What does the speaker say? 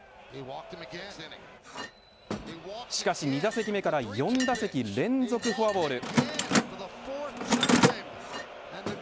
しかし２打席目から４打席連続フォアボール。